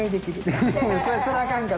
そらあかんか。